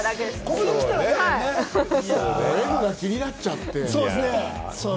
「Ｍ」が気になっちゃって。